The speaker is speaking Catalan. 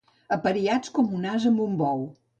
Apariats com un ase amb un bou.